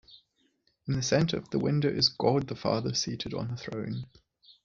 In the centre of the window is God the Father seated on a throne.